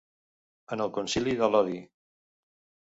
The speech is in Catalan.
En el concili de Lodi.